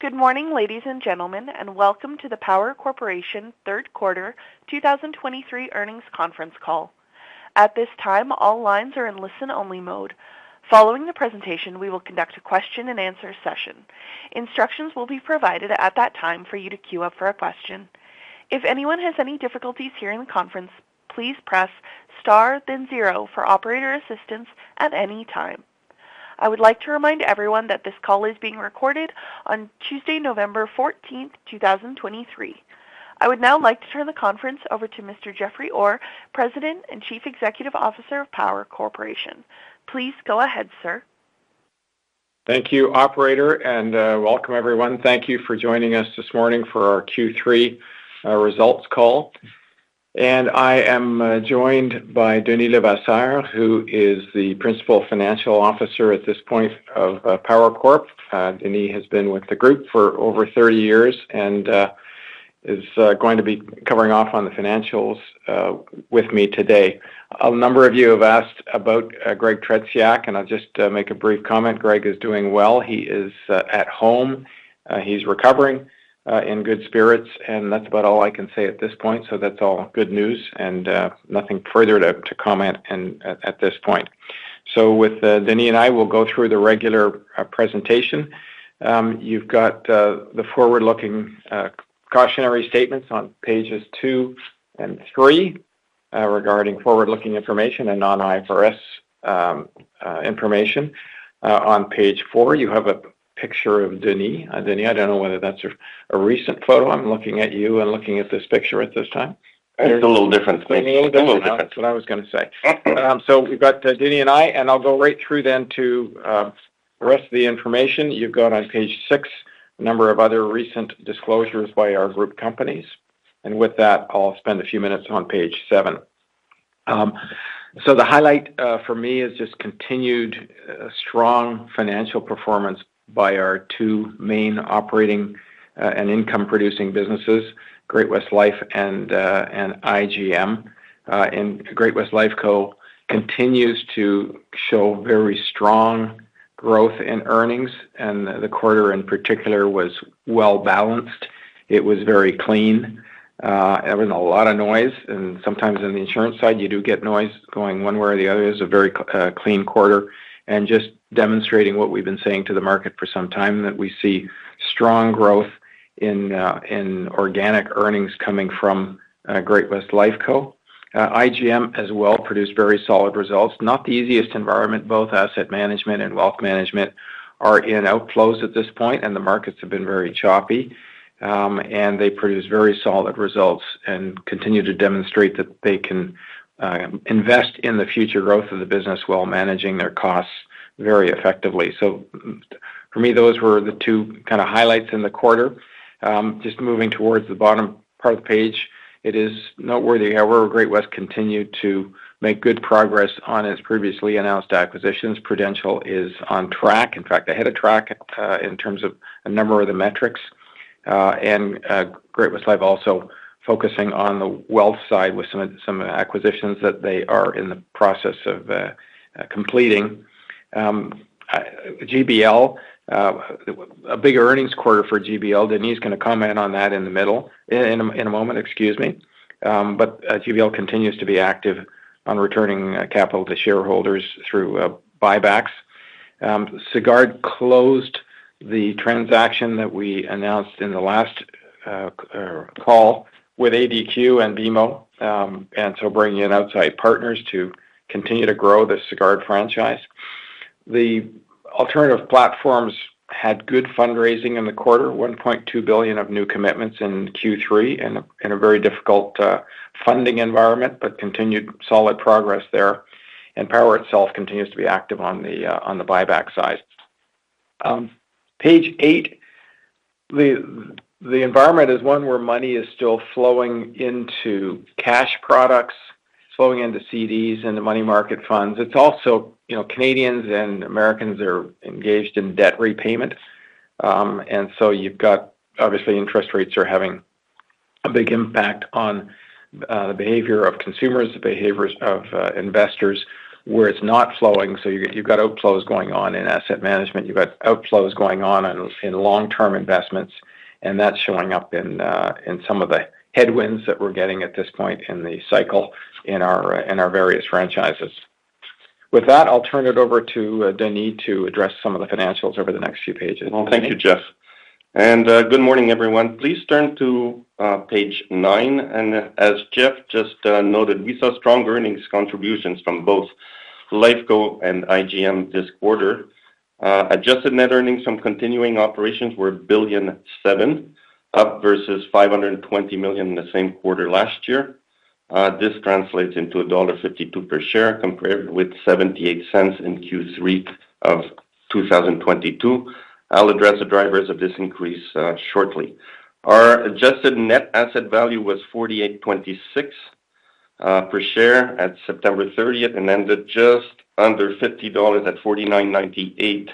Good morning, ladies and gentlemen, and welcome to the Power Corporation third quarter 2023 earnings conference call. At this time, all lines are in listen-only mode. Following the presentation, we will conduct a question-and-answer session. Instructions will be provided at that time for you to queue up for a question. If anyone has any difficulties hearing the conference, please press star then zero for operator assistance at any time. I would like to remind everyone that this call is being recorded on Tuesday, November 14th, 2023. I would now like to turn the conference over to Mr. Jeffrey Orr, President and Chief Executive Officer of Power Corporation. Please go ahead, sir. Thank you, operator, and welcome, everyone. Thank you for joining us this morning for our Q3 results call. I am joined by Denis Le Vasseur, who is the Principal Financial Officer at this point of Power Corp. Denis has been with the group for over 30 years and is going to be covering off on the financials with me today. A number of you have asked about Greg Tretiak, and I'll just make a brief comment. Greg is doing well. He is at home. He's recovering in good spirits, and that's about all I can say at this point. So that's all good news and nothing further to comment and at this point. So with Denis and I, we'll go through the regular presentation. You've got the forward-looking cautionary statements on pages two and three regarding forward-looking information and non-IFRS information. On page four, you have a picture of Denis. Denis, I don't know whether that's a recent photo. I'm looking at you and looking at this picture at this time. It's a little different. Maybe a little different. A little different. That's what I was going to say. So we've got Denis and I, and I'll go right through then to the rest of the information. You've got on page six a number of other recent disclosures by our group companies, and with that, I'll spend a few minutes on page seven. So the highlight for me is just continued strong financial performance by our two main operating and income-producing businesses, Great-West Life and IGM. And Great-West Lifeco continues to show very strong growth in earnings, and the quarter in particular was well-balanced. It was very clean, there wasn't a lot of noise, and sometimes on the insurance side, you do get noise going one way or the other. It was a very clean quarter and just demonstrating what we've been saying to the market for some time, that we see strong growth in in organic earnings coming from Great-West Lifeco. IGM as well produced very solid results. Not the easiest environment. Both asset management and wealth management are in outflows at this point, and the markets have been very choppy. And they produce very solid results and continue to demonstrate that they can invest in the future growth of the business while managing their costs very effectively. So for me, those were the two kind of highlights in the quarter. Just moving towards the bottom part of the page, it is noteworthy. However, Great-West Lifeco continued to make good progress on its previously announced acquisitions. Prudential is on track. In fact, ahead of track, in terms of a number of the metrics, and Great-West Lifeco also focusing on the wealth side with some acquisitions that they are in the process of completing. GBL, a big earnings quarter for GBL. Denis is going to comment on that in a moment, excuse me. But GBL continues to be active on returning capital to shareholders through buybacks. Sagard closed the transaction that we announced in the last call with ADQ and BMO, and so bringing in outside partners to continue to grow the Sagard franchise. The alternative platforms had good fundraising in the quarter, 1.2 billion of new commitments in Q3 in a very difficult funding environment, but continued solid progress there, and Power itself continues to be active on the buyback side. Page eight, the environment is one where money is still flowing into cash products, flowing into CDs and the money market funds. It's also, you know, Canadians and Americans are engaged in debt repayment, and so you've got... Obviously, interest rates are having a big impact on the behavior of consumers, the behaviors of investors, where it's not flowing. So you've got outflows going on in asset management, you've got outflows going on in long-term investments, and that's showing up in some of the headwinds that we're getting at this point in the cycle in our various franchises. With that, I'll turn it over to Denis to address some of the financials over the next few pages. Well, thank you, Jeff, and good morning, everyone. Please turn to page nine, and as Jeff just noted, we saw strong earnings contributions from both Lifeco and IGM this quarter. Adjusted net earnings from continuing operations were $1.7 billion, up versus $520 million in the same quarter last year. This translates into $1.52 per share, compared with $0.78 in Q3 of 2022. I'll address the drivers of this increase shortly. Our adjusted net asset value was $48.26 per share at September 30th and ended just under $50 at $49.98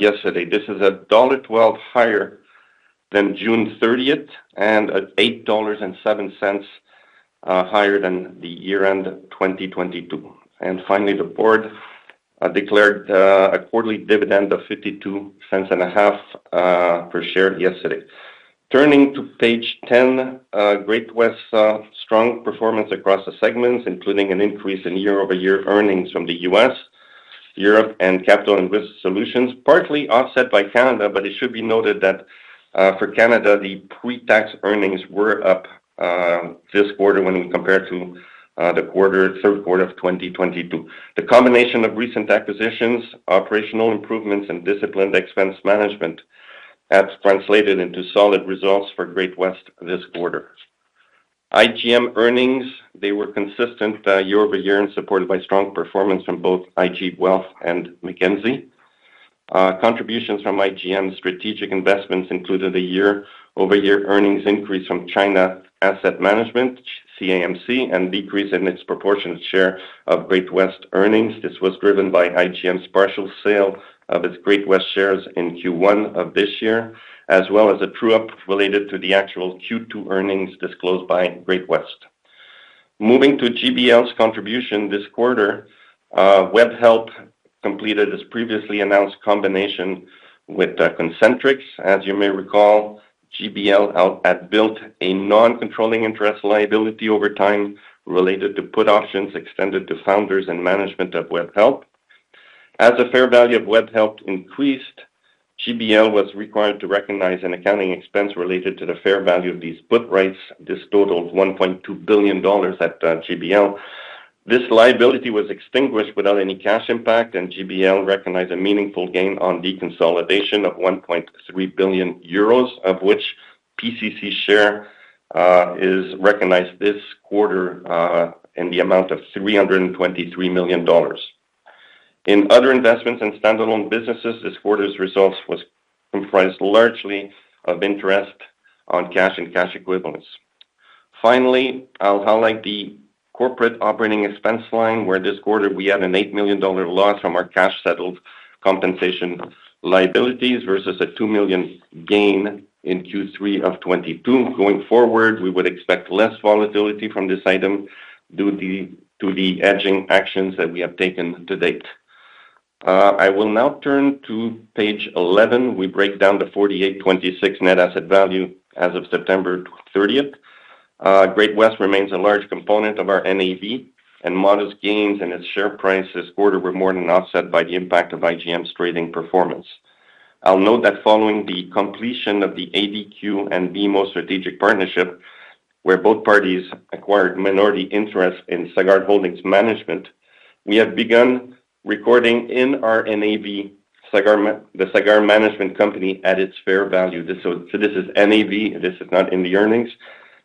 yesterday. This is $1.12 higher than June 30th and $8.07 higher than the year-end 2022. Finally, the board declared a quarterly dividend of 0.525 per share yesterday. Turning to page 10, Great-West strong performance across the segments, including an increase in year-over-year earnings from the U.S., Europe, and Capital and Risk Solutions, partly offset by Canada, but it should be noted that for Canada, the pre-tax earnings were up this quarter when we compare to the third quarter of 2022. The combination of recent acquisitions, operational improvements, and disciplined expense management has translated into solid results for Great-West this quarter. IGM earnings, they were consistent year-over-year and supported by strong performance from both IG Wealth and Mackenzie. Contributions from IGM's strategic investments included a year-over-year earnings increase from China Asset Management, CAMC, and decrease in its proportionate share of Great-West earnings. This was driven by IGM's partial sale of its Great-West shares in Q1 of this year, as well as a true-up related to the actual Q2 earnings disclosed by Great-West. Moving to GBL's contribution this quarter, Webhelp completed its previously announced combination with Concentrix. As you may recall, GBL had built a non-controlling interest liability over time related to put options extended to founders and management of Webhelp. As the fair value of Webhelp increased, GBL was required to recognize an accounting expense related to the fair value of these put rights. This totaled $1.2 billion at GBL. This liability was extinguished without any cash impact, and GBL recognized a meaningful gain on deconsolidation of 1.3 billion euros, of which PCC share is recognized this quarter in the amount of $323 million. In other investments and standalone businesses, this quarter's results was comprised largely of interest on cash and cash equivalents. Finally, I'll highlight the corporate operating expense line, where this quarter we had a 8 million dollar loss from our cash-settled compensation liabilities versus a 2 million gain in Q3 of 2022. Going forward, we would expect less volatility from this item due to the hedging actions that we have taken to date. I will now turn to page 11. We break down the 48.26 net asset value as of September 30th. Great-West remains a large component of our NAV, and modest gains in its share price this quarter were more than offset by the impact of IGM's trading performance. I'll note that following the completion of the ADQ and BMO strategic partnership, where both parties acquired minority interest in Sagard Holdings Management, we have begun recording in our NAV, the Sagard Management company at its fair value. This, so this is NAV, this is not in the earnings,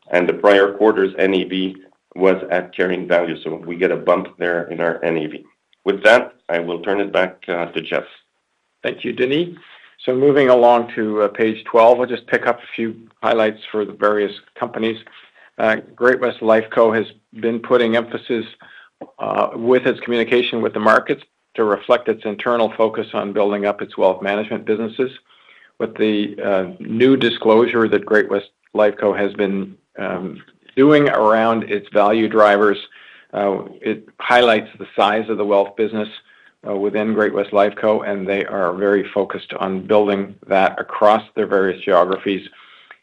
and the prior quarter's NAV was at carrying value. So we get a bump there in our NAV. With that, I will turn it back to Jeff. Thank you, Denis. So moving along to page 12, I'll just pick up a few highlights for the various companies. Great-West Lifeco has been putting emphasis with its communication with the markets to reflect its internal focus on building up its wealth management businesses. With the new disclosure that Great-West Lifeco has been doing around its value drivers, it highlights the size of the wealth business within Great-West Lifeco, and they are very focused on building that across their various geographies.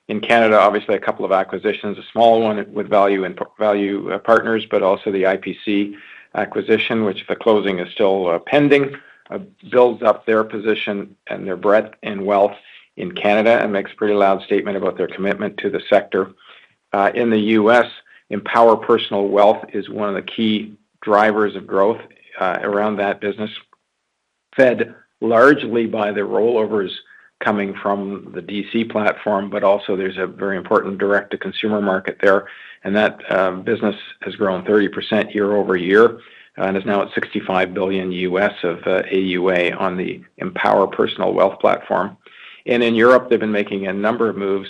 In Canada, obviously, a couple of acquisitions, a small one with Value Partners, but also the IPC acquisition, which the closing is still pending, builds up their position and their breadth in wealth in Canada and makes a pretty loud statement about their commitment to the sector. In the U.S., Empower Personal Wealth is one of the key drivers of growth around that business, fed largely by the rollovers coming from the DC platform, but also there's a very important direct-to-consumer market there, and that business has grown 30% year-over-year and is now at $65 billion of AUA on the Empower Personal Wealth platform. In Europe, they've been making a number of moves,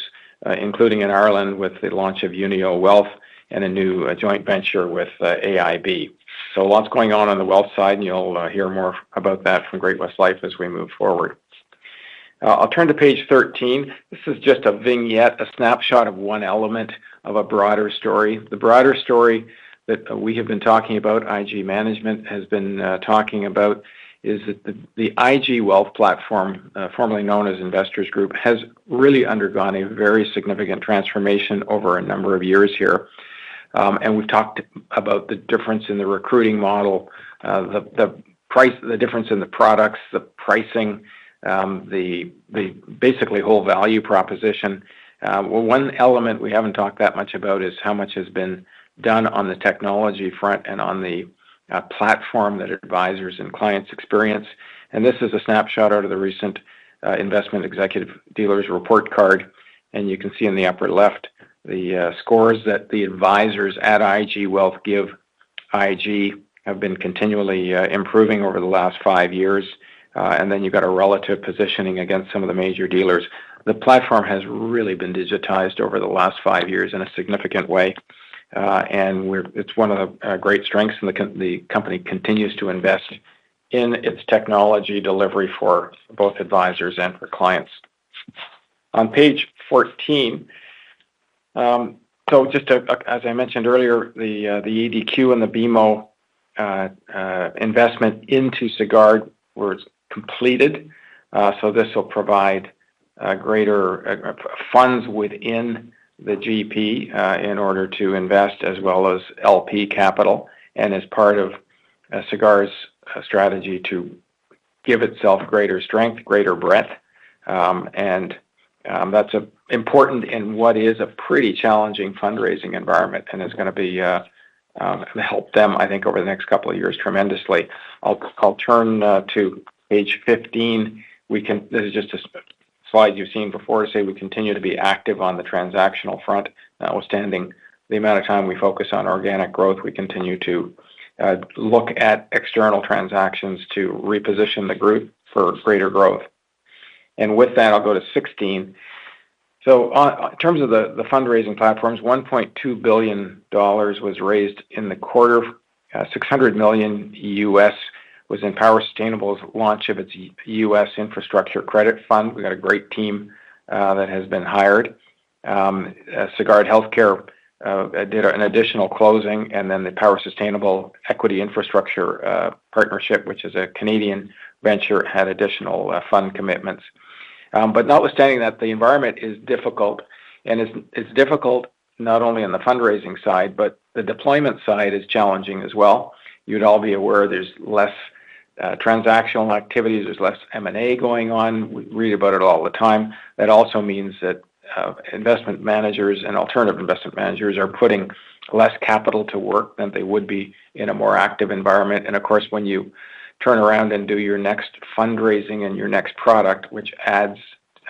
including in Ireland, with the launch of Unio Wealth and a new joint venture with AIB. Lots going on on the wealth side, and you'll hear more about that from Great-West Lifeco as we move forward. I'll turn to page 13. This is just a vignette, a snapshot of one element of a broader story. The broader story that we have been talking about, IG Management has been talking about, is that the IG Wealth platform, formerly known as Investors Group, has really undergone a very significant transformation over a number of years here. And we've talked about the difference in the recruiting model, the difference in the products, the pricing, the basically whole value proposition. Well, one element we haven't talked that much about is how much has been done on the technology front and on the platform that advisors and clients experience. And this is a snapshot out of the recent Investment Executive Dealers Report Card, and you can see in the upper left, the scores that the advisors at IG Wealth give IG have been continually improving over the last five years. And then you've got a relative positioning against some of the major dealers. The platform has really been digitized over the last five years in a significant way, and it's one of the great strengths, and the company continues to invest in its technology delivery for both advisors and for clients. On page 14, so just as I mentioned earlier, the ADQ and the BMO investment into Sagard was completed. So this will provide greater funds within the GP in order to invest as well as LP capital, and as part of Sagard's strategy to give itself greater strength, greater breadth. And that's important in what is a pretty challenging fundraising environment and is gonna be help them, I think, over the next couple of years, tremendously. I'll turn to page 15. This is just a slide you've seen before. Say, we continue to be active on the transactional front, notwithstanding the amount of time we focus on organic growth. We continue to look at external transactions to reposition the group for greater growth. And with that, I'll go to 16. So, in terms of the fundraising platforms, 1.2 billion dollars was raised in the quarter. $600 million was in Power Sustainable's launch of its U.S. Infrastructure Credit Fund. We got a great team that has been hired. Sagard Healthcare did an additional closing, and then the Power Sustainable Equity Infrastructure Partnership, which is a Canadian venture, had additional fund commitments. But notwithstanding that, the environment is difficult, and it's difficult not only on the fundraising side, but the deployment side is challenging as well. You'd all be aware there's less transactional activities, there's less M&A going on. We read about it all the time. That also means that investment managers and alternative investment managers are putting less capital to work than they would be in a more active environment. And of course, when you turn around and do your next fundraising and your next product, which adds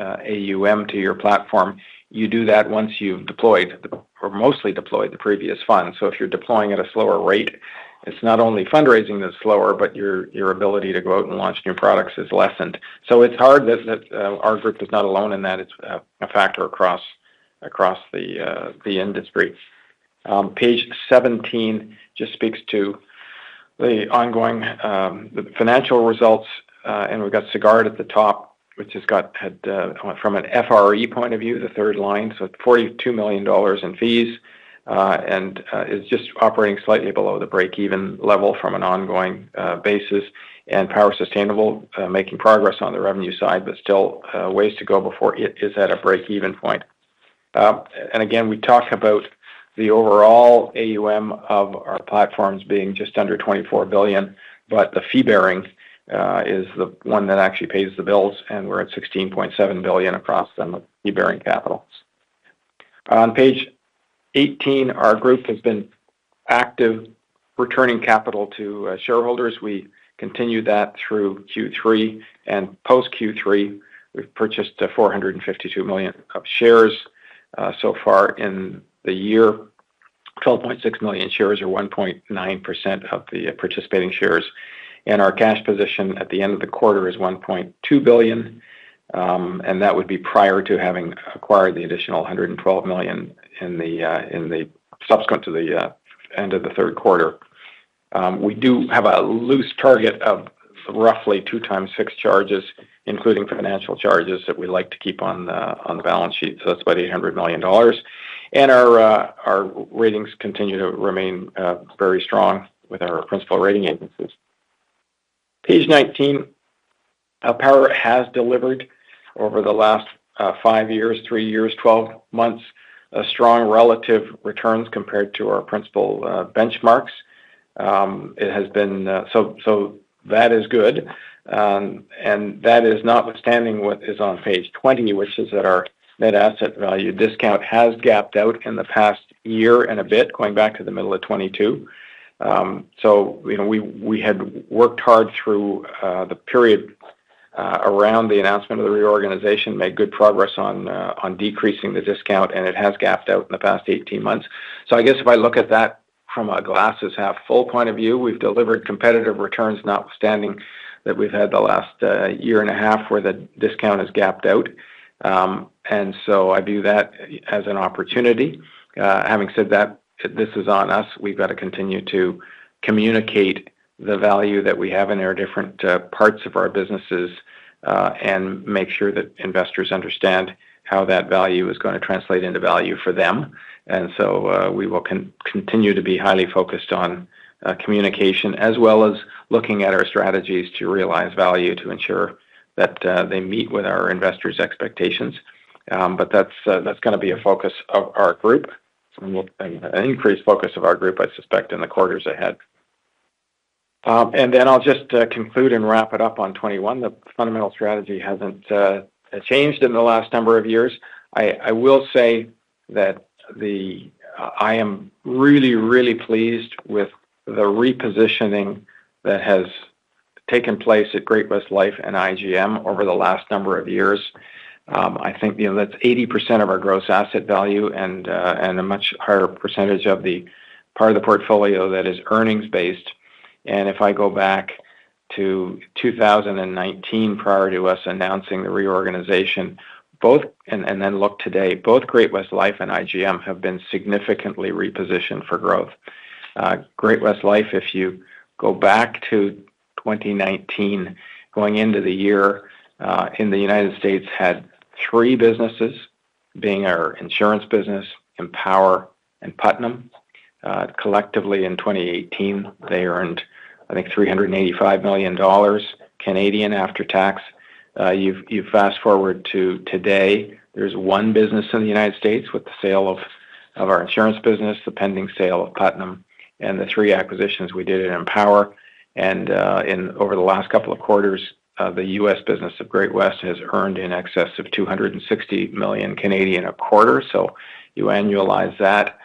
AUM to your platform, you do that once you've deployed or mostly deployed the previous fund. So if you're deploying at a slower rate, it's not only fundraising that's slower, but your ability to go out and launch new products is lessened. So it's hard that our group is not alone in that. It's a factor across the industry. Page 17 just speaks to the ongoing financial results, and we've got Sagard at the top, which has got, had, from an FRE point of view, the third line, so 42 million dollars in fees, and is just operating slightly below the break-even level from an ongoing basis, and Power Sustainable making progress on the revenue side, but still ways to go before it is at a break-even point. And again, we talk about the overall AUM of our platforms being just under 24 billion, but the fee bearing is the one that actually pays the bills, and we're at 16.7 billion across them, the fee-bearing capitals. On page 18, our group has been active, returning capital to shareholders. We continued that through Q3, and post Q3, we've purchased 452 million of shares. So far in the year, 12.6 million shares or 1.9% of the participating shares, and our cash position at the end of the quarter is 1.2 billion. And that would be prior to having acquired the additional 112 million in the, in the subsequent to the end of the third quarter. We do have a loose target of roughly two times fixed charges, including financial charges, that we like to keep on the, on the balance sheet, so that's about 800 million dollars. Our ratings continue to remain very strong with our principal rating agencies. Page 19. Power has delivered over the last five years, three years, 12 months, a strong relative returns compared to our principal benchmarks. It has been. So that is good. And that is notwithstanding what is on page 20, which is that our net asset value discount has gapped out in the past year and a bit, going back to the middle of 2022. So you know, we had worked hard through the period around the announcement of the reorganization, made good progress on decreasing the discount, and it has gapped out in the past 18 months. So I guess if I look at that from a glass-is-half-full point of view, we've delivered competitive returns, notwithstanding that we've had the last year and a half where the discount has gapped out. And so I view that as an opportunity. Having said that, this is on us. We've got to continue to communicate the value that we have in our different parts of our businesses and make sure that investors understand how that value is gonna translate into value for them. And so, we will continue to be highly focused on communication, as well as looking at our strategies to realize value to ensure that they meet with our investors' expectations. But that's gonna be a focus of our group, and an increased focus of our group, I suspect, in the quarters ahead. And then I'll just conclude and wrap it up on 21. The fundamental strategy hasn't changed in the last number of years. I will say that I am really, really pleased with the repositioning that has taken place at Great-West Lifeco and IGM over the last number of years. I think, you know, that's 80% of our gross asset value and a much higher percentage of the part of the portfolio that is earnings-based. And if I go back to 2019, prior to us announcing the reorganization, both... and then look today, both Great-West Lifeco and IGM have been significantly repositioned for growth. Great-West Lifeco, if you go back to 2019, going into the year, in the United States, had three businesses, being our insurance business, Empower and Putnam. Collectively, in 2018, they earned, I think, 385 million Canadian dollars, after tax. You've fast-forwarded to today. There's one business in the United States with the sale of our insurance business, the pending sale of Putnam, and the three acquisitions we did in Empower. In over the last couple of quarters, the U.S. business of Great-West has earned in excess of 260 million a quarter. So you annualize that,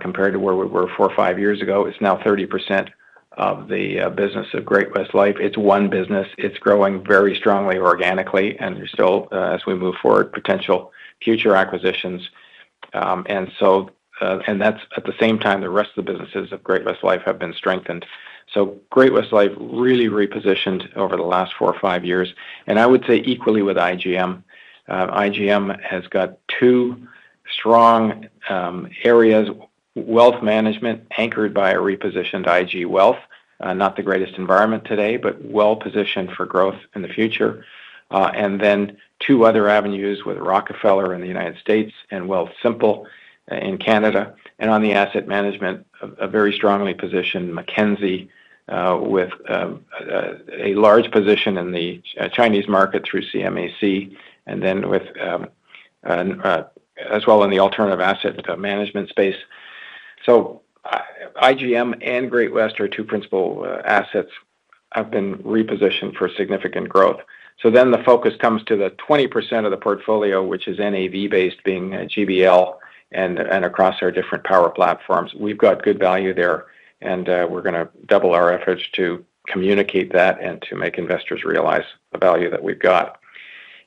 compared to where we were four or five years ago, it's now 30% of the business of Great-West Life. It's one business. It's growing very strongly, organically, and there's still, as we move forward, potential future acquisitions. And so, and that's at the same time, the rest of the businesses of Great-West Life have been strengthened. So Great-West Life really repositioned over the last four or five years, and I would say equally with IGM. IGM has got two strong areas, wealth management, anchored by a repositioned IG Wealth, not the greatest environment today, but well-positioned for growth in the future. And then two other avenues with Rockefeller in the United States and Wealthsimple in Canada, and on the asset management, a very strongly positioned Mackenzie, with a large position in the Chinese market through ChinaAMC, and then with, and as well in the alternative asset management space. So IGM and Great-West are two principal assets, have been repositioned for significant growth. So then the focus comes to the 20% of the portfolio, which is NAV based, being GBL and across our different Power platforms. We've got good value there, and we're gonna double our efforts to communicate that and to make investors realize the value that we've got.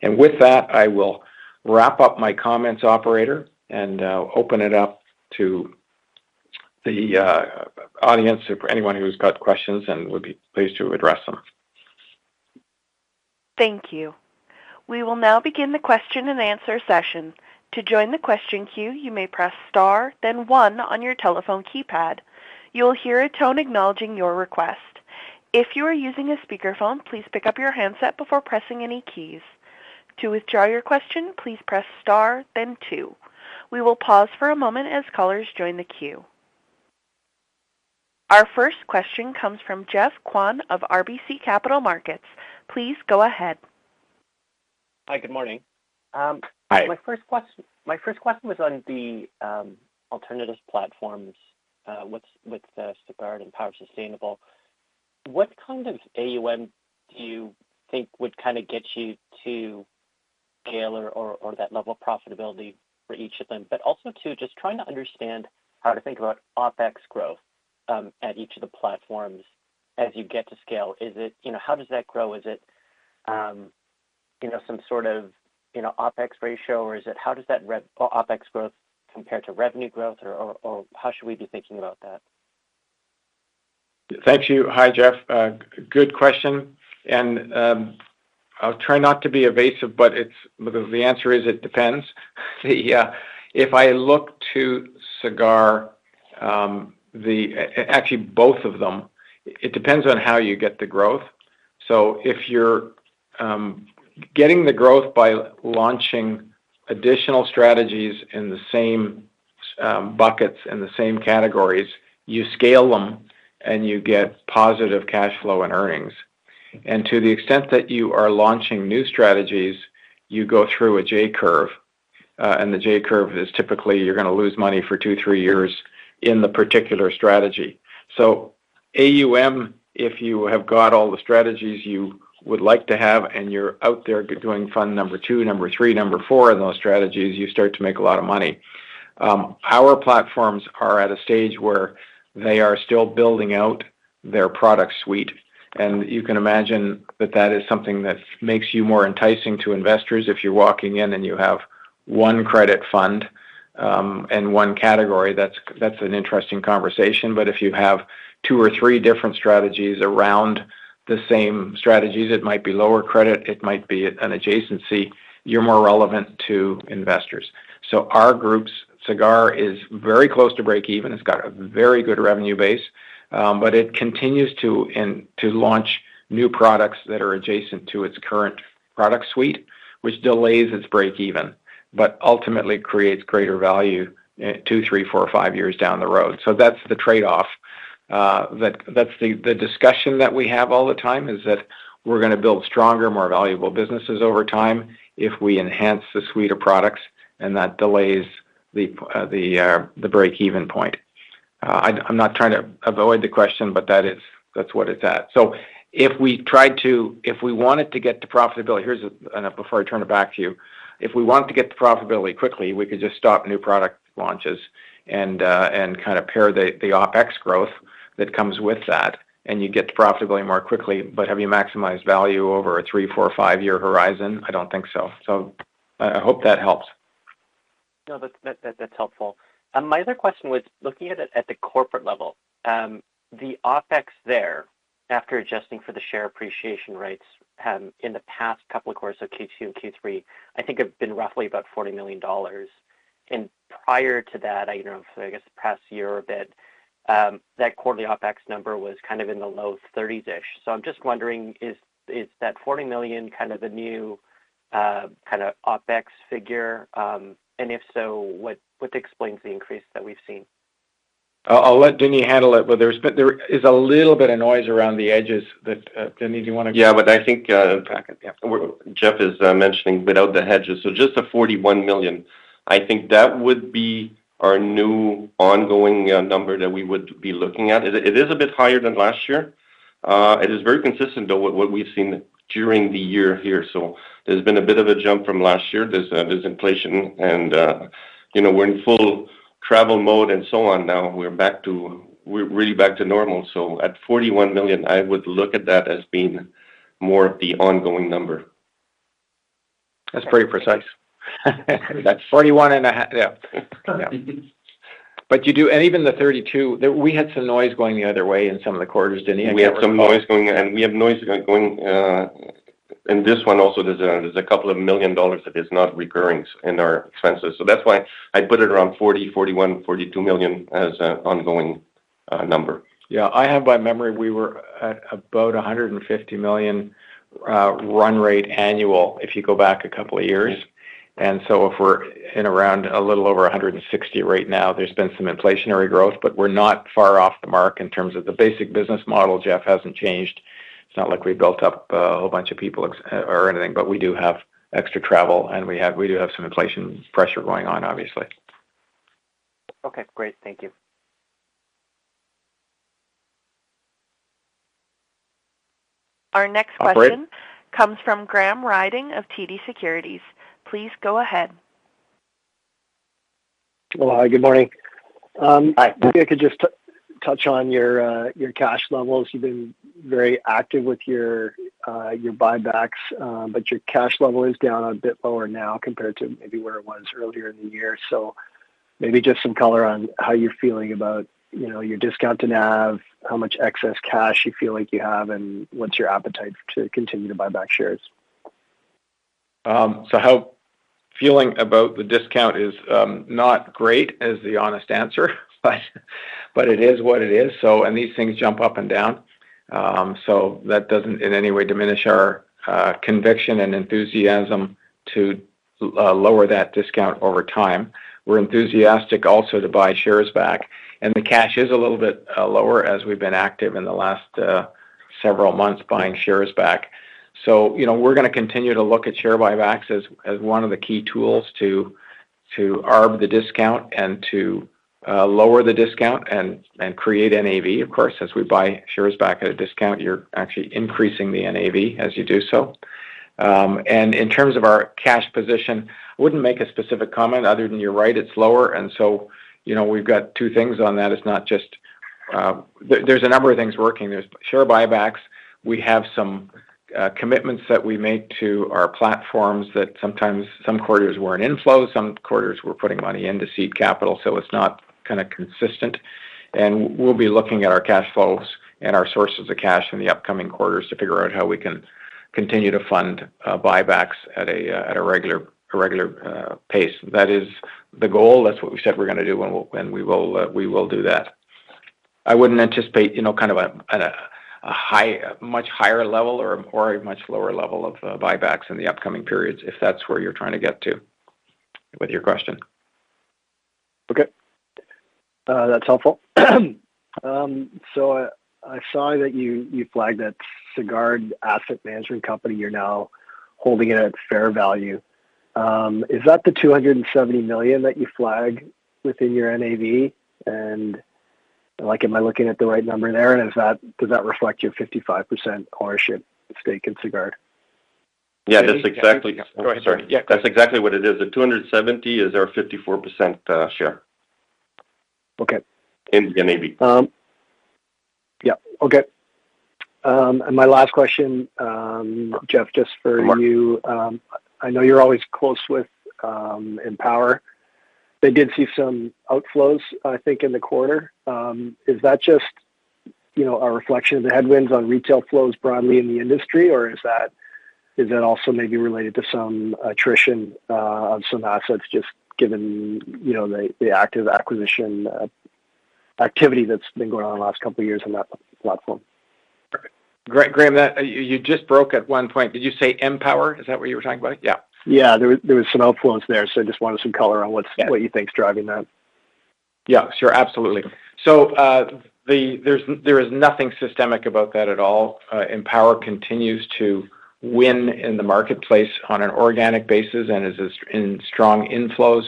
With that, I will wrap up my comments, operator, and open it up to the audience or anyone who's got questions, and would be pleased to address them. Thank you. We will now begin the question and answer session. To join the question queue, you may press star, then one on your telephone keypad. You will hear a tone acknowledging your request. If you are using a speakerphone, please pick up your handset before pressing any keys. To withdraw your question, please press star, then two. We will pause for a moment as callers join the queue. Our first question comes from Geoff Kwan of RBC Capital Markets. Please go ahead. Hi, good morning. Hi. My first question was on the alternatives platforms with Sagard and Power Sustainable. What kind of AUM do you think would kinda get you to scale or that level of profitability for each of them? But also too, just trying to understand how to think about OpEx growth at each of the platforms as you get to scale. Is it... You know, how does that grow? Is it you know, some sort of you know, OpEx ratio, or is it how does that OpEx growth compare to revenue growth, or how should we be thinking about that? Thank you. Hi, Geoff. Good question, and, I'll try not to be evasive, but it's, the answer is it depends. Yeah, if I look to Sagard, Actually, both of them, it depends on how you get the growth. So if you're, getting the growth by launching additional strategies in the same, buckets and the same categories, you scale them, and you get positive cash flow and earnings. And to the extent that you are launching new strategies, you go through a J curve, and the J curve is typically you're gonna lose money for two, three years in the particular strategy. So AUM, if you have got all the strategies you would like to have, and you're out there doing fund number two, number three, number four, in those strategies, you start to make a lot of money. Our platforms are at a stage where they are still building out their product suite, and you can imagine that that is something that makes you more enticing to investors. If you're walking in and you have one credit fund, and one category, that's, that's an interesting conversation. But if you have two or three different strategies around the same strategies, it might be lower credit, it might be an adjacency, you're more relevant to investors. So our group, Sagard is very close to break even. It's got a very good revenue base, but it continues to launch new products that are adjacent to its current product suite, which delays its break even, but ultimately creates greater value, two, three, four, five years down the road. So that's the trade-off. That's the discussion that we have all the time is that we're gonna build stronger, more valuable businesses over time if we enhance the suite of products, and that delays the break-even point. I'm not trying to avoid the question, but that is. That's what it's at. So if we try to, if we wanted to get to profitability. Here's before I turn it back to you, if we wanted to get to profitability quickly, we could just stop new product launches and kind of pair the OpEx growth that comes with that, and you get to profitability more quickly. But have you maximized value over a three, four, or five-year horizon? I don't think so. So I hope that helps. No, that's helpful. My other question was, looking at it at the corporate level, the OpEx there after adjusting for the share appreciation rights, in the past couple of quarters, so Q2 and Q3, I think have been roughly about 40 million dollars. And prior to that, I don't know, so I guess the past year a bit, that quarterly OpEx number was kind of in the low 30s-ish. So I'm just wondering, is that 40 million kind of the new kind of OpEx figure? And if so, what explains the increase that we've seen? I'll let Denis handle it, but there's been, there is a little bit of noise around the edges that, Denis, you want to- Yeah, but I think Geoff is mentioning without the hedges, so just the 41 million. I think that would be our new ongoing number that we would be looking at. It is a bit higher than last year. It is very consistent, though, with what we've seen during the year here. So there's been a bit of a jump from last year. There's inflation and, you know, we're in full travel mode and so on. Now, we're back to... We're really back to normal. So at 41 million, I would look at that as being more of the ongoing number. That's pretty precise. That's 41.5. Yeah. Yeah. But you do and even the 32, we had some noise going the other way in some of the quarters, Denis. We had some noise going, and we have noise going, in this one also, there's a couple of million dollars that is not recurring in our expenses. So that's why I put it around 40-42 million as an ongoing number. Yeah. I have by memory, we were at about 150 million run rate annual, if you go back a couple of years. So if we're in around a little over 160 million right now, there's been some inflationary growth, but we're not far off the mark in terms of the basic business model. Geoff hasn't changed. It's not like we built up a whole bunch of people or anything, but we do have extra travel, and we do have some inflation pressure going on, obviously. Okay, great. Thank you. Our next question comes from Graham Ryding of TD Securities. Please go ahead. Well, hi, good morning. Hi. Maybe I could just to touch on your your cash levels. You've been very active with your your buybacks, but your cash level is down a bit lower now compared to maybe where it was earlier in the year. So maybe just some color on how you're feeling about, you know, your discount to NAV, how much excess cash you feel like you have, and what's your appetite to continue to buy back shares? So how feeling about the discount is not great, is the honest answer, but it is what it is. And these things jump up and down. So that doesn't in any way diminish our conviction and enthusiasm to lower that discount over time. We're enthusiastic also to buy shares back, and the cash is a little bit lower as we've been active in the last several months, buying shares back. So, you know, we're gonna continue to look at share buybacks as one of the key tools to arb the discount and to lower the discount and create NAV. Of course, as we buy shares back at a discount, you're actually increasing the NAV as you do so. And in terms of our cash position, wouldn't make a specific comment other than you're right, it's lower. So, you know, we've got two things on that. It's not just... There's a number of things working. There's share buybacks. We have some commitments that we made to our platforms that sometimes some quarters were in inflows, some quarters we're putting money in to seed capital, so it's not kind of consistent. We'll be looking at our cash flows and our sources of cash in the upcoming quarters to figure out how we can continue to fund buybacks at a regular pace. That is the goal. That's what we said we're gonna do, and we'll do that. I wouldn't anticipate, you know, kind of a much higher level or a much lower level of buybacks in the upcoming periods, if that's where you're trying to get to with your question. Okay, that's helpful. I saw that you flagged that Sagard Asset Management Company, you're now holding it at fair value. Is that the 270 million that you flagged within your NAV? And, like, am I looking at the right number there? And is that? Does that reflect your 55% ownership stake in Sagard? Yeah, that's exactly- Go ahead. Sorry. Yeah. That's exactly what it is. The 270 is our 54% share. Okay. In NAV. Yeah. Okay. And my last question, Jeff, just for you. Mark. I know you're always close with Empower. They did see some outflows, I think, in the quarter. Is that just, you know, a reflection of the headwinds on retail flows broadly in the industry? Or is that also maybe related to some attrition on some assets, just given, you know, the active acquisition activity that's been going on in the last couple of years on that platform? Perfect. Graham, that you just broke at one point. Did you say Empower? Is that what you were talking about? Yeah. Yeah. There was some outflows there, so just wanted some color on what's- Yeah. What you think is driving that? Yeah, sure. Absolutely. So, there's, there is nothing systemic about that at all. Empower continues to win in the marketplace on an organic basis and is in strong inflows.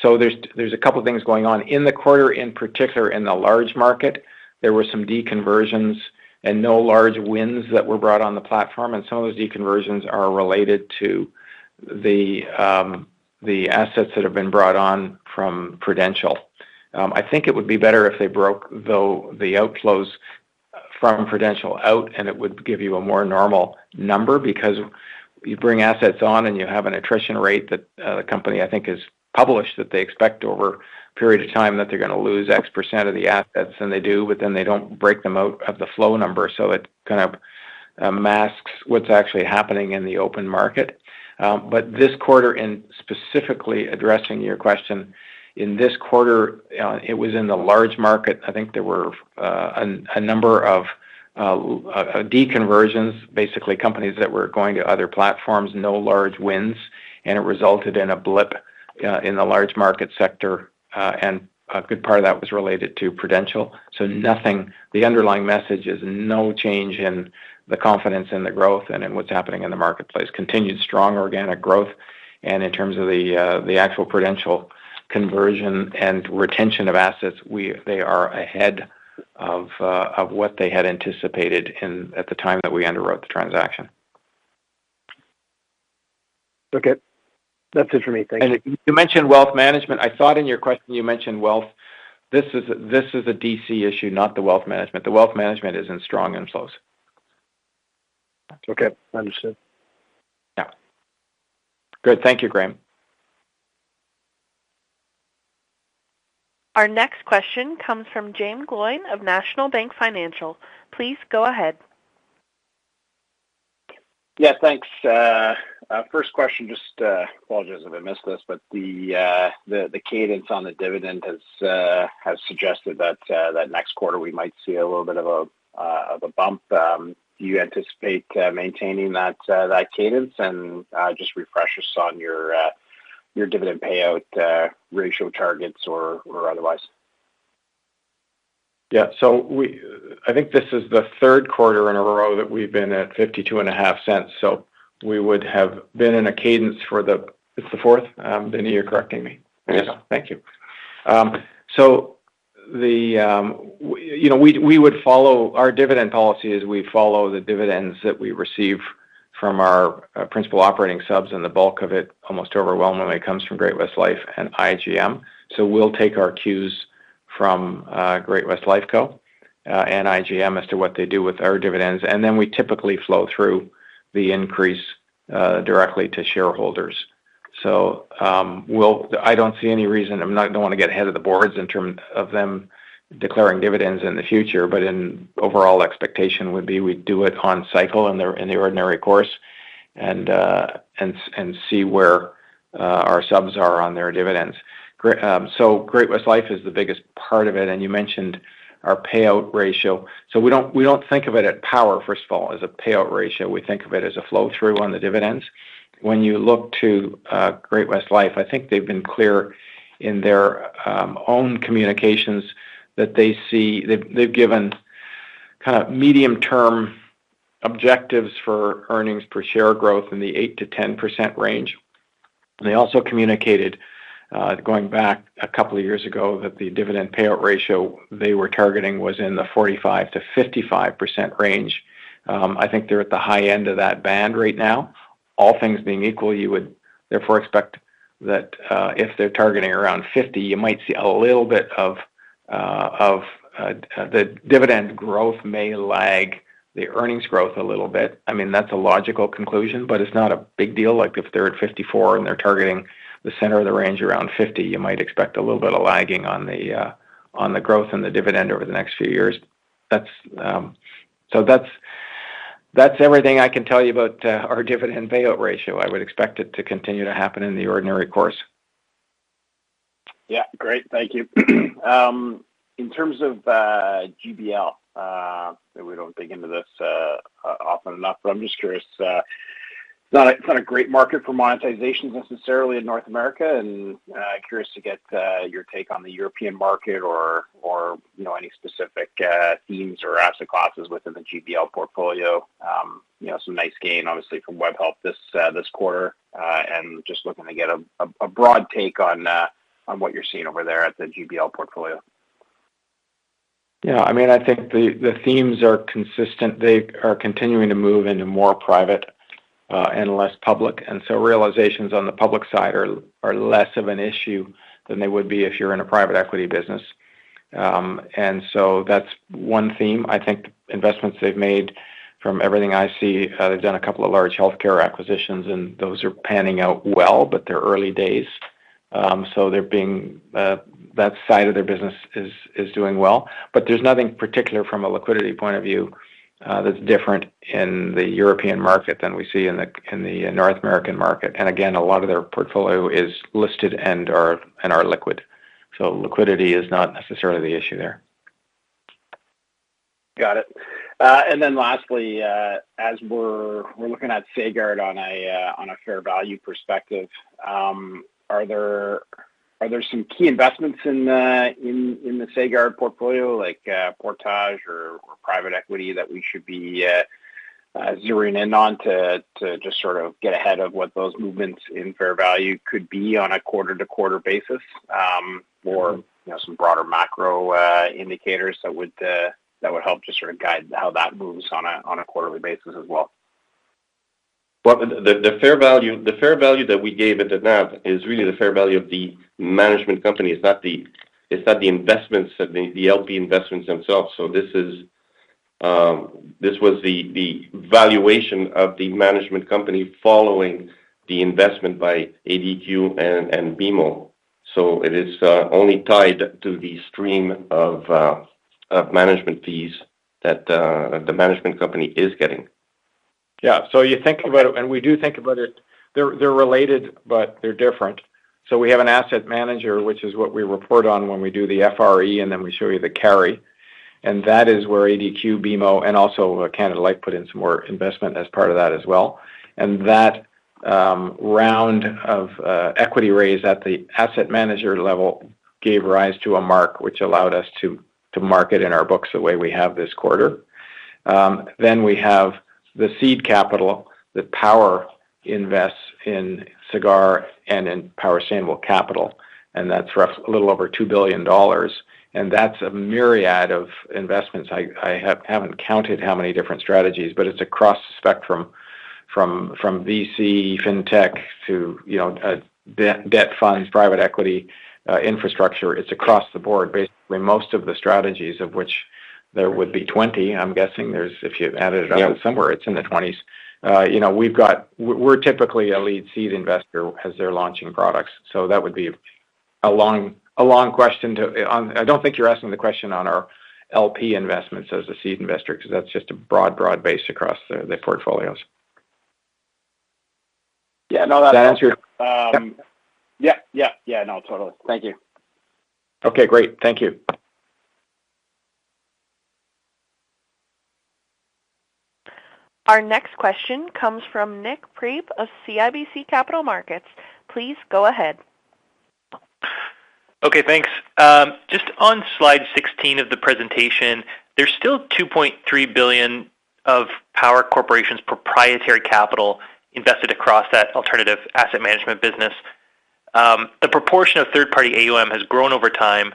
So there's, there's a couple of things going on in the quarter, in particular, in the large market. There were some deconversions and no large wins that were brought on the platform, and some of those deconversions are related to the, the assets that have been brought on from Prudential. I think it would be better if they broke, though, the outflows from Prudential out, and it would give you a more normal number because-... You bring assets on and you have an attrition rate that, the company, I think, has published that they expect over a period of time that they're going to lose X% of the assets, and they do, but then they don't break them out of the flow number, so it kind of masks what's actually happening in the open market. But this quarter, in specifically addressing your question, in this quarter, it was in the large market. I think there were a number of deconversions, basically companies that were going to other platforms, no large wins, and it resulted in a blip in the large market sector, and a good part of that was related to Prudential. So nothing, the underlying message is no change in the confidence in the growth and in what's happening in the marketplace. Continued strong organic growth, and in terms of the actual Prudential conversion and retention of assets, they are ahead of what they had anticipated at the time that we underwrote the transaction. Okay. That's it for me. Thank you. You mentioned wealth management. I thought in your question, you mentioned wealth. This is a DC issue, not the wealth management. The wealth management is in strong inflows. Okay, understood. Yeah. Good. Thank you, Graham. Our next question comes from Jaeme Gloyn of National Bank Financial. Please go ahead. Yeah, thanks. First question, just apologies if I missed this, but the cadence on the dividend has suggested that next quarter we might see a little bit of a bump. Do you anticipate maintaining that cadence? And just refresh us on your dividend payout ratio targets or otherwise. Yeah. So I think this is the third quarter in a row that we've been at 0.525, so we would have been in a cadence for the... It's the fourth? Denis, you're correcting me. Yes. Thank you. So, you know, we would follow our dividend policy as we follow the dividends that we receive from our principal operating subs, and the bulk of it, almost overwhelmingly, comes from Great-West Life and IGM. So we'll take our cues from Great-West Lifeco and IGM as to what they do with our dividends, and then we typically flow through the increase directly to shareholders. So, we'll. I don't see any reason. I'm not going to get ahead of the boards in terms of them declaring dividends in the future, but in overall expectation would be we'd do it on cycle in the ordinary course and see where our subs are on their dividends. So Great-West Life is the biggest part of it, and you mentioned our payout ratio. So we don't think of it at Power, first of all, as a payout ratio. We think of it as a flow-through on the dividends. When you look to Great-West Lifeco, I think they've been clear in their own communications that they see... They've given kind of medium-term objectives for earnings per share growth in the 8%-10% range. They also communicated, going back a couple of years ago, that the dividend payout ratio they were targeting was in the 45%-55% range. I think they're at the high end of that band right now. All things being equal, you would therefore expect that, if they're targeting around 50, you might see a little bit of the dividend growth may lag the earnings growth a little bit. I mean, that's a logical conclusion, but it's not a big deal. Like, if they're at 54 and they're targeting the center of the range around 50, you might expect a little bit of lagging on the growth and the dividend over the next few years. That's... So that's everything I can tell you about our dividend payout ratio. I would expect it to continue to happen in the ordinary course. Yeah. Great. Thank you. In terms of GBL, and we don't dig into this often enough, but I'm just curious. Not a, not a great market for monetizations necessarily in North America, and curious to get your take on the European market or, or you know, any specific themes or asset classes within the GBL portfolio. You know, some nice gain, obviously, from Webhelp this this quarter, and just looking to get a a broad take on on what you're seeing over there at the GBL portfolio. Yeah, I mean, I think the themes are consistent. They are continuing to move into more private, and less public, and so realizations on the public side are less of an issue than they would be if you're in a private equity business. And so that's one theme. I think investments they've made, from everything I see, they've done a couple of large healthcare acquisitions, and those are panning out well, but they're early days. So that side of their business is doing well. But there's nothing particular from a liquidity point of view, that's different in the European market than we see in the North American market. And again, a lot of their portfolio is listed and are liquid. So liquidity is not necessarily the issue there. Got it. And then lastly, as we're looking at Sagard on a fair value perspective, are there some key investments in the Sagard portfolio, like Portage or private equity, that we should be zeroing in on to just sort of get ahead of what those movements in fair value could be on a quarter-to-quarter basis? Or, you know, some broader macro indicators that would help to sort of guide how that moves on a quarterly basis as well. Well, the fair value that we gave at the NAV is really the fair value of the management company. It's not the investments, the LP investments themselves. So this is-... This was the valuation of the management company following the investment by ADQ and BMO. So it is only tied to the stream of management fees that the management company is getting. Yeah. So you think about it, and we do think about it, they're, they're related, but they're different. So we have an asset manager, which is what we report on when we do the FRE, and then we show you the carry. And that is where ADQ, BMO, and also Canada Life put in some more investment as part of that as well. And that round of equity raise at the asset manager level gave rise to a mark, which allowed us to market in our books the way we have this quarter. Then we have the seed capital that Power invests in Sagard and in Power Sustainable, and that's a little over 2 billion dollars, and that's a myriad of investments. I haven't counted how many different strategies, but it's across the spectrum, from VC, Fintech to, you know, debt funds, private equity, infrastructure. It's across the board. Basically, most of the strategies of which there would be 20, I'm guessing there's... If you add it up somewhere, it's in the 20s. You know, we're typically a lead seed investor as they're launching products, so that would be a long question to on-- I don't think you're asking the question on our LP investments as a seed investor, because that's just a broad base across the portfolios. Yeah, no, that- Does that answer your- Um. Yeah. Yeah, yeah. Yeah, no, totally. Thank you. Okay, great. Thank you. Our next question comes from Nik Priebe of CIBC Capital Markets. Please go ahead. Okay, thanks. Just on slide 16 of the presentation, there's still 2.3 billion of Power Corporation's proprietary capital invested across that alternative asset management business. The proportion of third-party AUM has grown over time,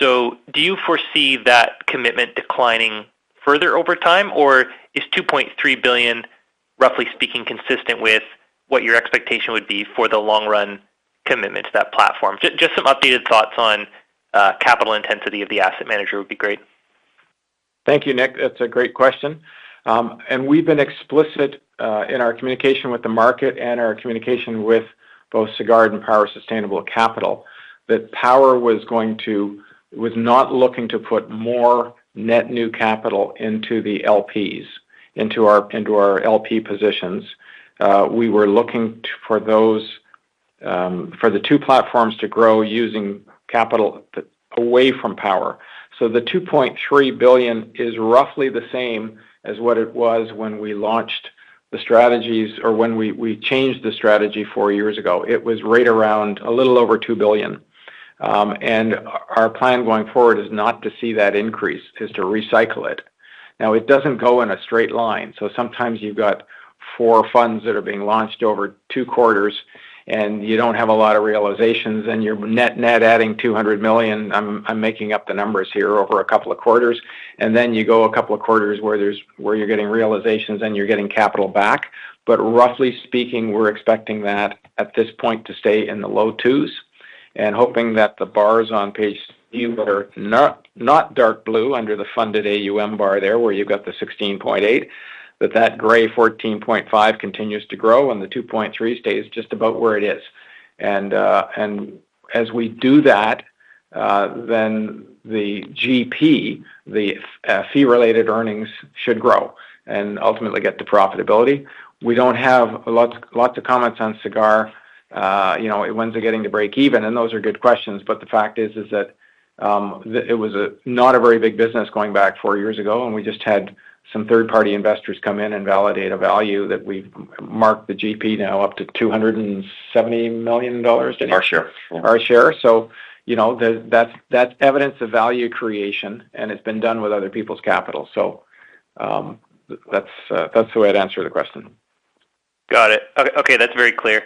so do you foresee that commitment declining further over time, or is 2.3 billion, roughly speaking, consistent with what your expectation would be for the long run commitment to that platform? Just some updated thoughts on capital intensity of the asset manager would be great. Thank you, Nik. That's a great question. And we've been explicit in our communication with the market and our communication with both Sagard and Power Sustainable, that Power was not looking to put more net new capital into the LPs, into our, into our LP positions. We were looking for those for the two platforms to grow using capital away from Power. So the 2.3 billion is roughly the same as what it was when we launched the strategies or when we, we changed the strategy four years ago. It was right around a little over 2 billion. And our plan going forward is not to see that increase, is to recycle it. Now, it doesn't go in a straight line, so sometimes you've got four funds that are being launched over two quarters, and you don't have a lot of realizations, and you're net, net adding 200 million, I'm, I'm making up the numbers here, over a couple of quarters. And then you go a couple of quarters where you're getting realizations and you're getting capital back. But roughly speaking, we're expecting that at this point to stay in the low 2s and hoping that the bars on page five are not, not dark blue under the funded AUM bar there, where you've got the 16.8, that that gray 14.5 continues to grow and the 2.3 stays just about where it is. As we do that, then the GP fee-related earnings should grow and ultimately get to profitability. We don't have a lot of comments on Sagard, you know, when's it getting to break even, and those are good questions. But the fact is that it was not a very big business going back four years ago, and we just had some third-party investors come in and validate a value that we've marked the GP now up to 270 million dollars. Our share. Our share. So, you know, that's evidence of value creation, and it's been done with other people's capital. So, that's the way I'd answer the question. Got it. Okay, that's very clear.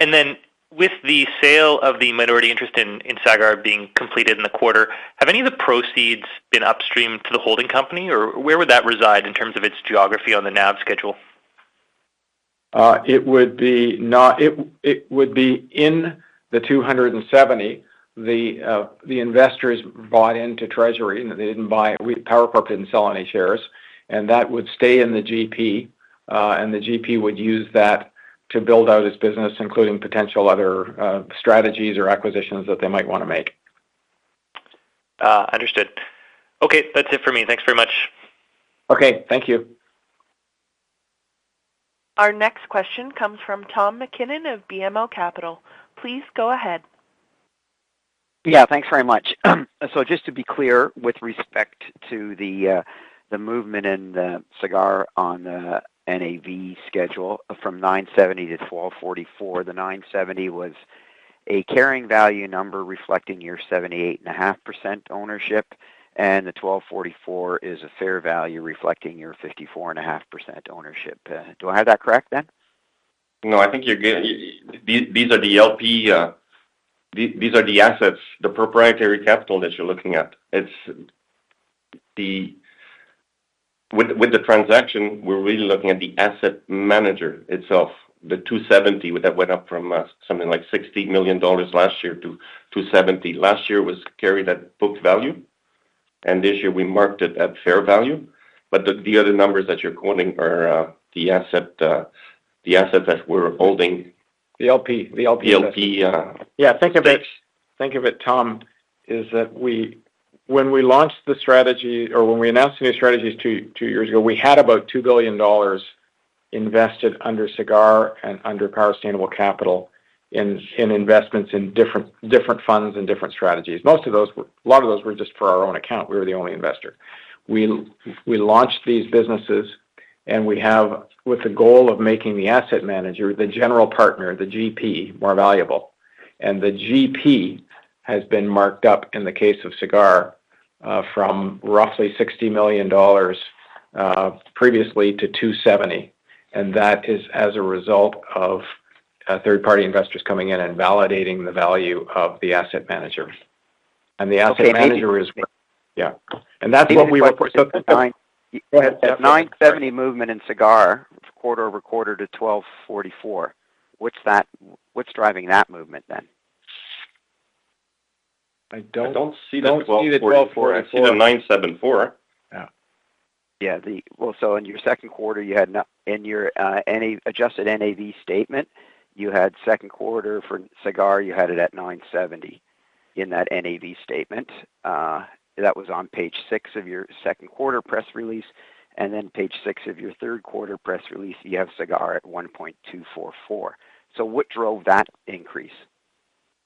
And then with the sale of the minority interest in Sagard being completed in the quarter, have any of the proceeds been upstreamed to the holding company, or where would that reside in terms of its geography on the NAV schedule? It would be in the 270. The investors bought into Treasury, and they didn't buy... Power Corp didn't sell any shares, and that would stay in the GP, and the GP would use that to build out its business, including potential other strategies or acquisitions that they might want to make. Understood. Okay, that's it for me. Thanks very much. Okay, thank you. Our next question comes from Tom MacKinnon of BMO Capital. Please go ahead. Yeah, thanks very much. So just to be clear, with respect to the movement in the Sagard on the NAV schedule from 970 to 1,244, the 970 was a carrying value number reflecting your 78.5% ownership, and the 1,244 is a fair value reflecting your 54.5% ownership. Do I have that correct, then? No, I think you're good. These, these are the LP, these, these are the assets, the proprietary capital that you're looking at. It's the... With, with the transaction, we're really looking at the asset manager itself. The 270 million, that went up from, something like 60 million dollars last year to 270 million. Last year was carried at book value?... and this year we marked it at fair value. But the, the other numbers that you're quoting are, the asset, the asset that we're holding- The LP. The LP. LP, uh- Yeah, think of it, think of it, Tom, is that we—when we launched the strategy or when we announced the new strategies two years ago, we had about 2 billion dollars invested under Sagard and under Power Sustainable in investments in different funds and different strategies. Most of those were—a lot of those were just for our own account. We were the only investor. We launched these businesses, and we have, with the goal of making the asset manager, the general partner, the GP, more valuable. And the GP has been marked up in the case of Sagard from roughly 60 million dollars previously to 270, and that is as a result of third-party investors coming in and validating the value of the asset manager. And the asset manager is- Okay. Yeah. That's what we report. So- The 970 movement in Sagard, quarter-over-quarter to 1,244, what's that? What's driving that movement, then? I don't see the 1,244. I see the 974. Yeah. Yeah, in your second quarter, you had in your NA adjusted NAV statement, you had second quarter for Sagard, you had it at 970 in that NAV statement. That was on page six of your second quarter press release, and then page six of your third quarter press release, you have Sagard at 1.244. So what drove that increase?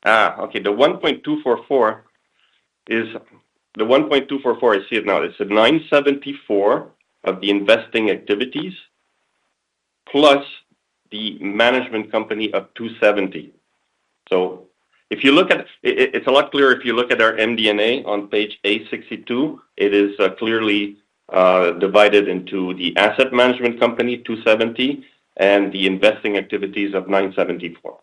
Ah, okay. The 1.244 is— The 1.244, I see it now. It's at 974 of the investing activities, plus the management company of 270. So if you look at— it's a lot clearer if you look at our MD&A on page 862. It is clearly divided into the asset management company, 270, and the investing activities of 974.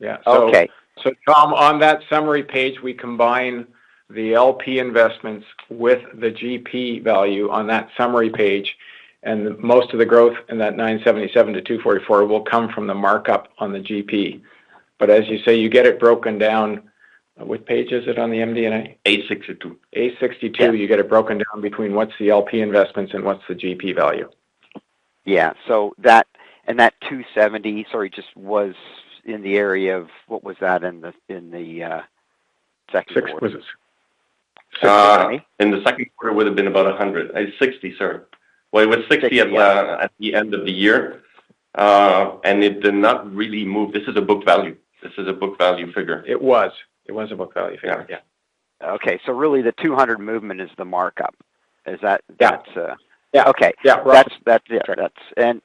Yeah. Okay. So, Tom, on that summary page, we combine the LP investments with the GP value on that summary page, and most of the growth in that 977-244 will come from the markup on the GP. But as you say, you get it broken down. What page is it on the MD&A? Eight sixty-two. A 62, you get it broken down between what's the LP investments and what's the GP value. Yeah. So that, and that 270, sorry, just was in the area of... What was that in the second quarter? Six quizzes. In the second quarter, it would have been about 160, sir. Well, it was 60 at the end of the year, and it did not really move. This is a book value. This is a book value figure. It was. It was a book value figure. Yeah. Okay. So really, the 200 movement is the markup. Is that- Yeah. That's, uh- Yeah. Okay. Yeah. That's it. That's-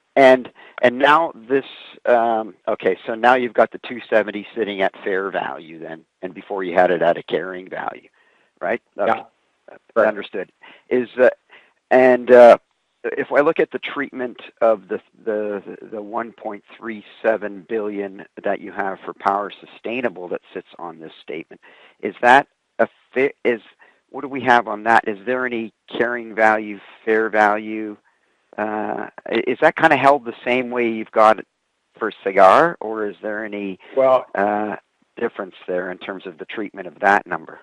Okay, so now you've got the 270 sitting at fair value then, and before you had it at a carrying value, right? Yeah. Understood. Is the—and if I look at the treatment of the 1.37 billion that you have for Power Sustainable that sits on this statement, is that a fair—is what do we have on that? Is there any carrying value, fair value? Is that kinda held the same way you've got it for Sagard, or is there any- Well- difference there in terms of the treatment of that number?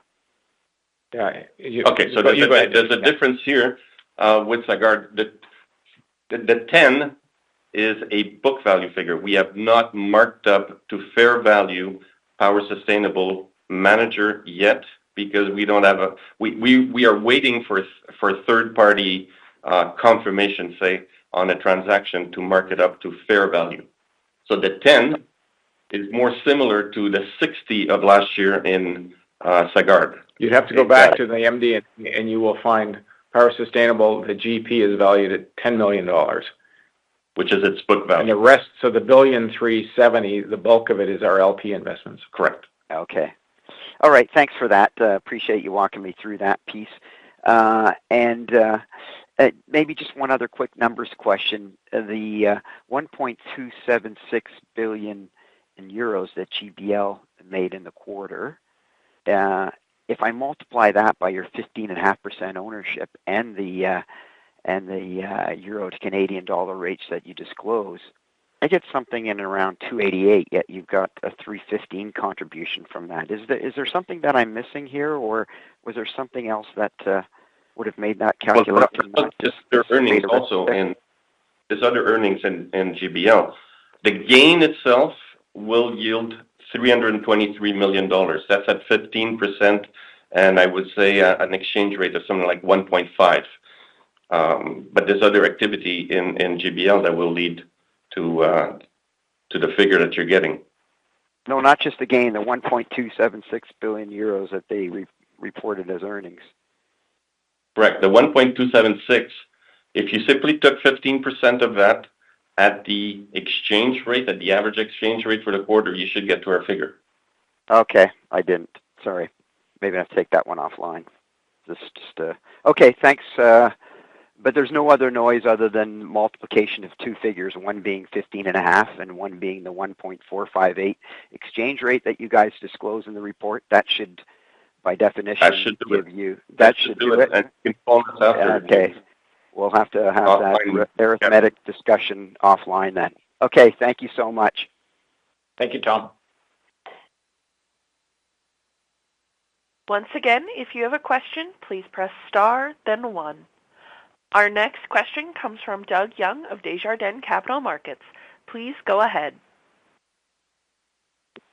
Yeah. Okay. So there's a difference here with Sagard. The 10 is a book value figure. We have not marked up to fair value Power Sustainable yet, because we don't have a... We are waiting for a third-party confirmation, say, on the transaction to mark it up to fair value. So the 10 is more similar to the 60 of last year in Sagard. You'd have to go back to the MD&A, and you will find Power Sustainable, the GP is valued at 10 million dollars. Which is its book value. The rest, so the 1.37 billion, the bulk of it is our LP investments. Correct. Okay. All right, thanks for that. Appreciate you walking me through that piece. And maybe just one other quick numbers question, the 1.276 billion euros that GBL made in the quarter, if I multiply that by your 15.5% ownership and the euro to Canadian dollar rates that you disclose, I get something in around 288 million, yet you've got a 315 million contribution from that. Is there something that I'm missing here, or was there something else that would have made that calculation? Well, just their earnings also and there's other earnings in GBL. The gain itself will yield 323 million dollars. That's at 15%, and I would say an exchange rate of something like 1.5. But there's other activity in GBL that will lead to the figure that you're getting. No, not just the gain, the 1.276 billion euros that they re-reported as earnings. Correct. The 1.276, if you simply took 15% of that at the exchange rate, at the average exchange rate for the quarter, you should get to our figure. Okay. I didn't. Sorry. Maybe I'll take that one offline. Just, just... Okay, thanks, but there's no other noise other than multiplication of two figures, one being 15.5, and one being the 1.458 exchange rate that you guys disclose in the report. That should, by definition- That should do it. That should do it? That should do it. Okay. We'll have to have that arithmetic discussion offline then. Okay, thank you so much. Thank you, Tom. Once again, if you have a question, please press star, then one. Our next question comes from Doug Young of Desjardins Capital Markets. Please go ahead.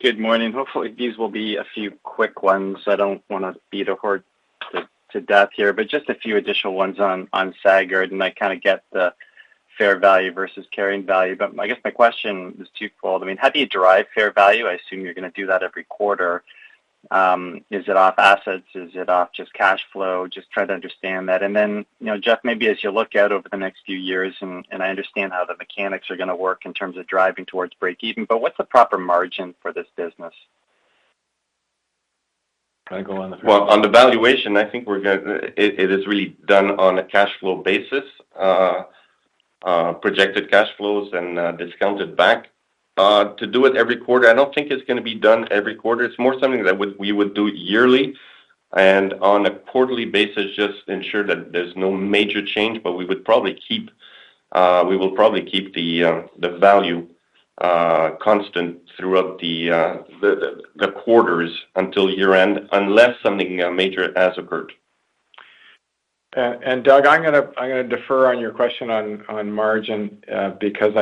Good morning. Hopefully, these will be a few quick ones. I don't want to beat a horse to death here, but just a few additional ones on Sagard, and I kind of get the fair value versus carrying value. But I guess my question is twofold. I mean, how do you derive fair value? I assume you're going to do that every quarter. Is it off assets? Is it off just cash flow? Just trying to understand that. And then, you know, Jeff, maybe as you look out over the next few years, and I understand how the mechanics are going to work in terms of driving towards breakeven, but what's the proper margin for this business? Can I go on? Well, on the valuation, I think we're gonna. It is really done on a cash flow basis, projected cash flows and, discounted back. To do it every quarter, I don't think it's going to be done every quarter. It's more something that we would do yearly and on a quarterly basis, just ensure that there's no major change, but we would probably keep, we will probably keep the value constant throughout the quarters until year end, unless something major has occurred. And Doug, I'm gonna defer on your question on margin, because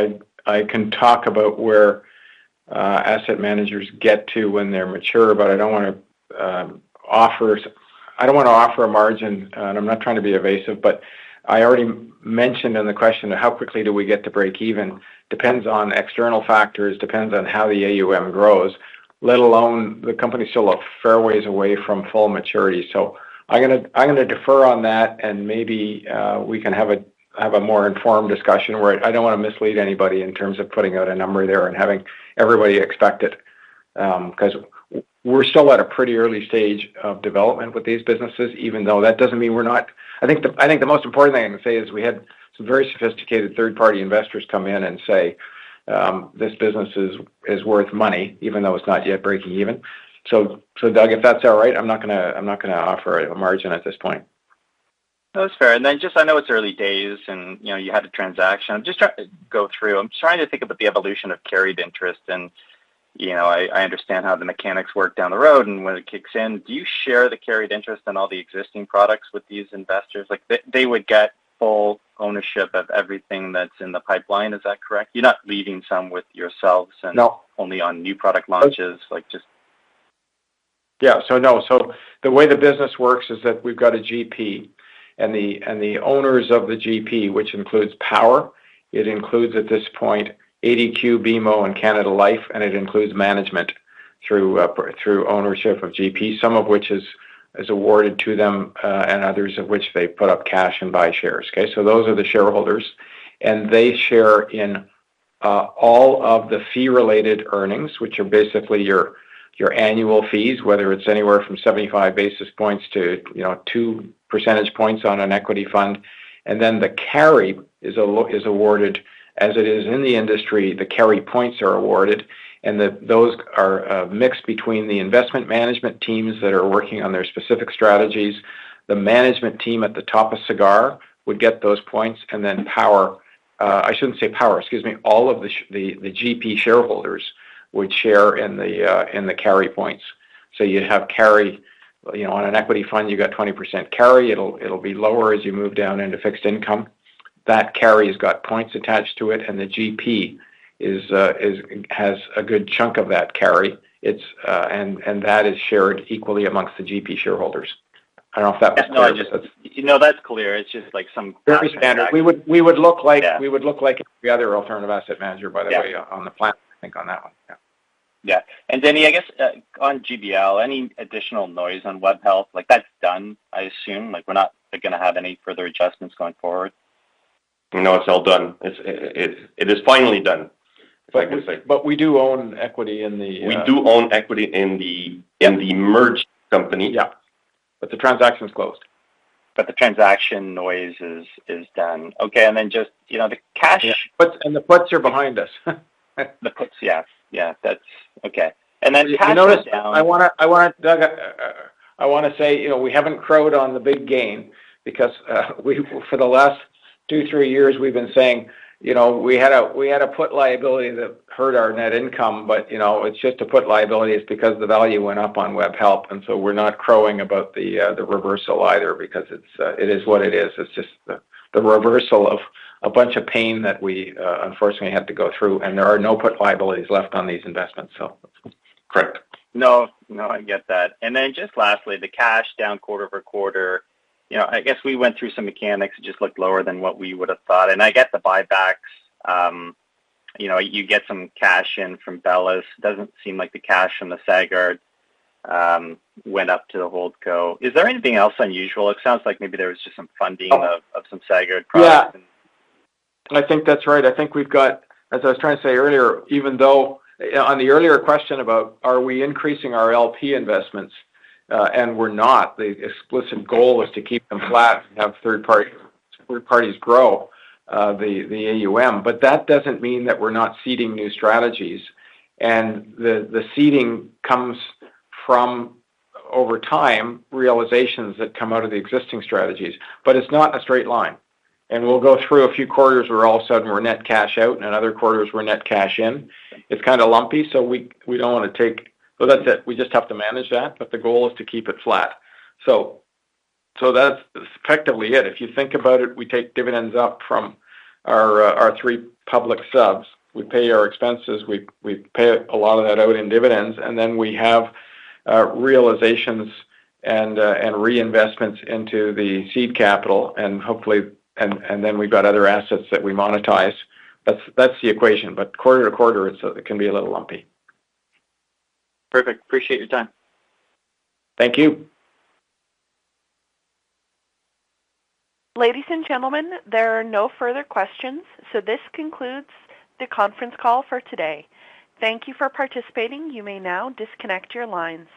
I can talk about where asset managers get to when they're mature, but I don't want to offer a margin, and I'm not trying to be evasive, but I already mentioned in the question, how quickly do we get to breakeven? Depends on external factors, depends on how the AUM grows, let alone the company's still a fair ways away from full maturity. So I'm gonna defer on that, and maybe we can have a more informed discussion where I don't want to mislead anybody in terms of putting out a number there and having everybody expect it. Because we're still at a pretty early stage of development with these businesses, even though that doesn't mean we're not... I think the most important thing I can say is we had some very sophisticated third-party investors come in and say, this business is worth money, even though it's not yet breaking even. So, Doug, if that's all right, I'm not gonna offer a margin at this point. No, it's fair. And then just, I know it's early days and, you know, you had a transaction. Just try to go through. I'm trying to think about the evolution of carried interest, and, you know, I, I understand how the mechanics work down the road and when it kicks in. Do you share the carried interest in all the existing products with these investors? Like, they, they would get full ownership of everything that's in the pipeline. Is that correct? You're not leaving some with yourselves- No. and only on new product launches, like just... Yeah. So no. So the way the business works is that we've got a GP, and the owners of the GP, which includes Power, includes, at this point, ADQ, BMO, and Canada Life, and it includes management through up-through ownership of GP, some of which is awarded to them, and others of which they put up cash and buy shares, okay? So those are the shareholders, and they share in all of the fee-related earnings, which are basically your annual fees, whether it's anywhere from 75 basis points to, you know, 2 percentage points on an equity fund. And then, the carry is awarded, as it is in the industry, the carry points are awarded, and those are mixed between the investment management teams that are working on their specific strategies. The management team at the top of Sagard would get those points, and then Power... I shouldn't say Power, excuse me. All of the GP shareholders would share in the, in the carry points. So you'd have carry, you know, on an equity fund, you got 20% carry. It'll, it'll be lower as you move down into fixed income. That carry has got points attached to it, and the GP is, has a good chunk of that carry. It's, and, and that is shared equally amongst the GP shareholders. I don't know if that was clear. No, that's clear. It's just like some- Very standard. We would look like- Yeah. we would look like the other alternative asset manager, by the way. Yeah -on the planet, I think, on that one. Yeah. Yeah. And Denis, I guess, on GBL, any additional noise on Webhelp? Like, that's done, I assume. Like, we're not gonna have any further adjustments going forward. No, it's all done. It is finally done, I would say. But we do own equity in the, We do own equity in the merged company. Yeah. But the transaction is closed. But the transaction noise is done. Okay, and then just, you know, the cash- Yeah. But the puts are behind us. The puts, yes. Yeah, that's... Okay. And then- You notice, I wanna... Doug, I wanna say, you know, we haven't crowed on the big gain because, we for the last two, three years, we've been saying, you know, we had a put liability that hurt our net income, but, you know, it's just a put liability. It's because the value went up on Webhelp, and so we're not crowing about the reversal either, because it's, it is what it is. It's just the reversal of a bunch of pain that we unfortunately had to go through, and there are no put liabilities left on these investments, so. Correct. No, no, I get that. And then, just lastly, the cash down quarter-over-quarter, you know, I guess we went through some mechanics. It just looked lower than what we would have thought. And I get the buybacks. You know, you get some cash in from Bellus. Doesn't seem like the cash from the Sagard went up to the holdco. Is there anything else unusual? It sounds like maybe there was just some funding of some Sagard products. Yeah. I think that's right. I think we've got. As I was trying to say earlier, even though, on the earlier question about are we increasing our LP investments? And we're not. The explicit goal is to keep them flat and have third party, third parties grow, the AUM. But that doesn't mean that we're not seeding new strategies. And the seeding comes from, over time, realizations that come out of the existing strategies, but it's not a straight line. And we'll go through a few quarters where all of a sudden we're net cash out, and other quarters we're net cash in. It's kind of lumpy, so we don't want to take. So that's it. We just have to manage that, but the goal is to keep it flat. So, so that's effectively it. If you think about it, we take dividends up from our three public subs. We pay our expenses, we pay a lot of that out in dividends, and then we have realizations and reinvestments into the seed capital, and hopefully, and then we've got other assets that we monetize. That's the equation, but quarter to quarter, it's it can be a little lumpy. Perfect. Appreciate your time. Thank you. Ladies and gentlemen, there are no further questions, so this concludes the conference call for today. Thank you for participating. You may now disconnect your lines.